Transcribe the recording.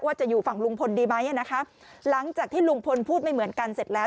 จะอยู่ฝั่งลุงพลดีไหมนะคะหลังจากที่ลุงพลพูดไม่เหมือนกันเสร็จแล้ว